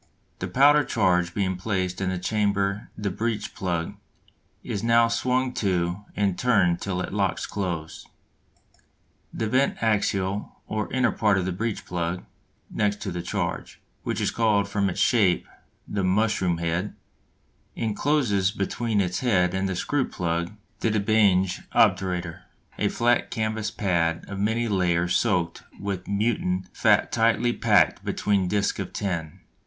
The powder charge being placed in the chamber the breech plug is now swung to and turned till it locks close. The vent axial or inner part of this breech plug (next to the charge), which is called from its shape the "mushroom head," encloses between its head and the screw plug the de Bange obturator, a flat canvas pad of many layers soaked with mutton fat tightly packed between discs of tin.